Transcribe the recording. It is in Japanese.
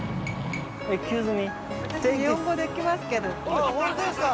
あぁホントですか！